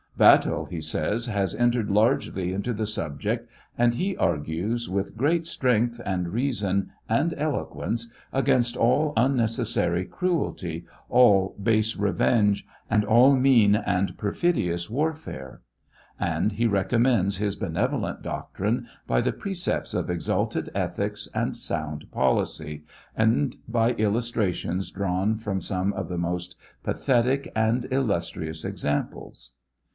"Vattel," he says, " has entered largely into the subject, and he argues with great strength and reason and eloquence against all unnecessary cruelty, all base revenge, and all mean and perfidious warfare ; and he recommends his benevolent doctrine by the precepts of exalted ethics and sound policy, and by illustrations drawn from some of the most pathetic and illustrious examples."